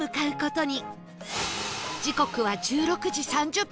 時刻は１６時３０分